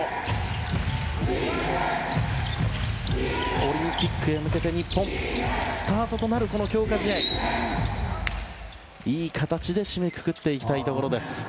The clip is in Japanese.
オリンピックへ向けて日本スタートとなる強化試合をいい形で締めくくっていきたいところです。